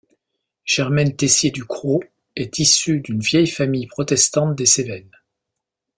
Germaine Teissier du Cros est issue d'une vieille famille protestante des Cévennes.